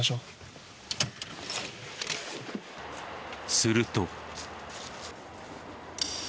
すると。